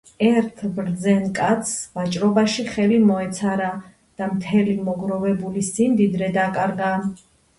ერთ ბრძენ კაცს ვაჭრობაში ხელი მოეცარა და მთელი მოგროვებული სიმდიდრე დაკარგა